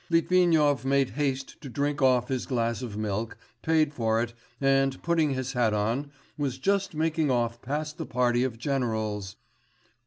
Litvinov made haste to drink off his glass of milk, paid for it, and putting his hat on, was just making off past the party of generals....